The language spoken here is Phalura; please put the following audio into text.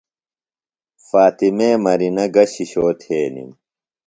فاطمے مرینہ گہ شِشو تھینِم؟